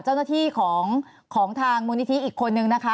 เจ้าหน้าที่ของทางมูลนิธิอีกคนนึงนะคะ